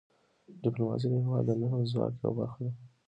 ډيپلوماسي د هېواد د نرم ځواک یوه برخه ده.